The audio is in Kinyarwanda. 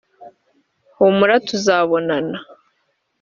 humura tuzabonana